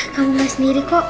kamu gak sendiri kok